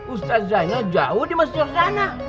ustadz zainal jauh di masjid sana